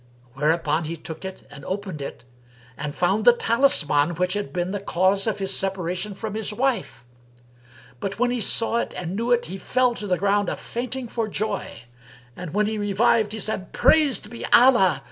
Whereupon he took it and opened it and found the talisman which had been the cause of his separation from his wife. But when he saw it and knew it, he fell to the ground a fainting for joy; and, when he revived, he said, "Praised be Allah!